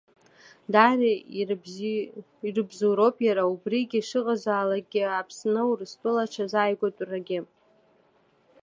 Дара ирыбзоуроуп иара убригьы шыҟалазаалак Аԥсны Урыстәыла аҽазааигәатәрагьы.